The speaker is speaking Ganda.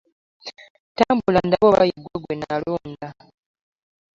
Tambula ndabe oba ywggwe gwenalonda .